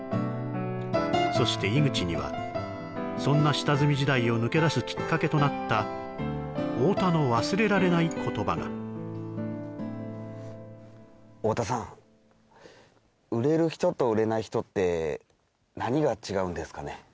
そして井口にはそんな下積み時代を抜け出すきっかけとなった太田の忘れられない言葉が太田さん売れる人と売れない人って何が違うんですかね